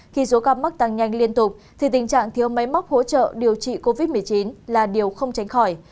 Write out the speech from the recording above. khi số ca mắc tăng nhanh liên tục thì tình trạng thiếu máy móc hỗ trợ điều trị covid một mươi chín là điều không tránh khỏi